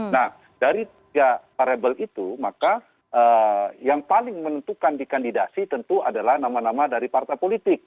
nah dari tiga variable itu maka yang paling menentukan di kandidasi tentu adalah nama nama dari partai politik